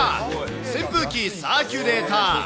扇風機・サーキュレーター。